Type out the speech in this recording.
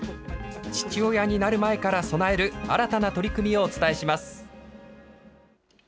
父親になる前から備える新たな取り組みをお伝えします。